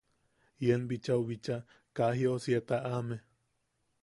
“Ien bichau... bichaa... kaa jiosia taʼame.